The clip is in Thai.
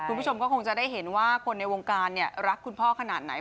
คุณผู้ชมก็คงจะได้เห็นว่าคนในวงการเนี่ยรักคุณพ่อขนาดไหน